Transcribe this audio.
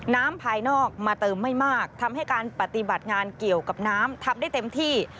ภายนอกมาเติมไม่มากทำให้การปฏิบัติงานเกี่ยวกับน้ำทำได้เต็มที่